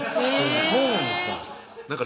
そうなんですか